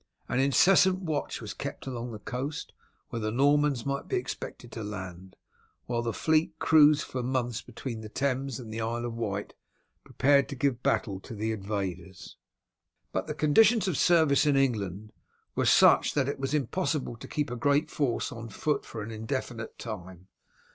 An incessant watch was kept up along the coast where the Normans might be expected to land, while the fleet cruised for months between the Thames and the Isle of Wight prepared to give battle to the invaders. But the conditions of service in England were such that it was impossible to keep a great force on foot for an indefinite time.